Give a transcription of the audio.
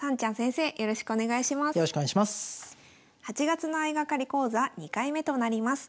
８月の相掛かり講座２回目となります。